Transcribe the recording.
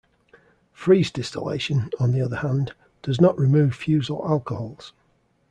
Freeze distillation, on the other hand, does not remove fusel alcohols.